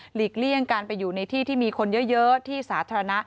เลี่ยงการไปอยู่ในที่ที่มีคนเยอะที่สาธารณะ